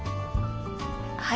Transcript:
はい。